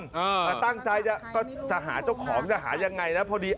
แต่ตั้งใจจะก็จะหาเจ้าของจะหายังไงนะพอดี